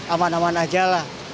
aman aman aja lah